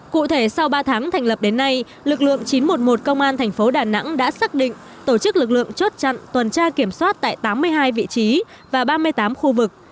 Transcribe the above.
cụ thể sau ba tháng thành lập đến nay lực lượng chín trăm một mươi một công an thành phố đà nẵng đã xác định tổ chức lực lượng chốt chặn tuần tra kiểm soát tại tám mươi hai vị trí và ba mươi tám khu vực